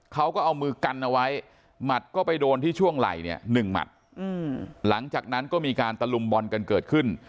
เขาก็เอามือกันเอาไว้หมัดก็ไปโดนที่ช่วงไหล่เนี่ย๑หมัดหลังจากนั้นก็มีการตะลุมบอลกันเกิดขึ้น